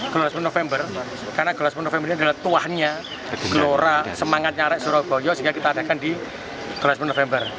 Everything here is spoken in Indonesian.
glora sepuluh november karena glora sepuluh november ini adalah tuahnya gelora semangatnya irak surabaya sehingga kita adakan di glora sepuluh november